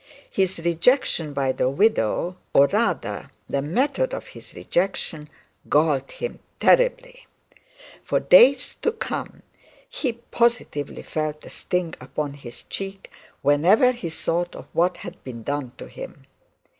His rejection by the widow, or rather the method of his rejection, galled him terribly. For days to come he positively felt the sting upon his cheek, whenever he thought of what had been done to him.